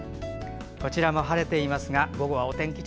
こちらも晴れていますが午後はお天気